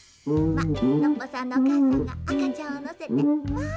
ノッポさんのおかあさんがあかちゃんをのせて。